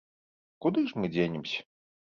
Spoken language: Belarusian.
Куды ж мы дзенемся?